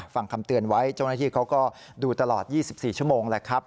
ฟังคำเตือนไว้เจ้าหน้าที่เขาก็ดูตลอด๒๔ชั่วโมงแหละครับ